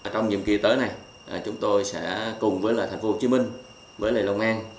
trong nhiệm kỳ tới này chúng tôi sẽ cùng với lại thành phố hồ chí minh với long an